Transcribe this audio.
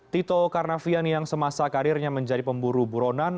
tito karnavian yang semasa karirnya menjadi pemburu buronan